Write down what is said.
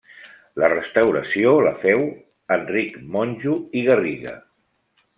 La restauració la féu Enric Monjo i Garriga.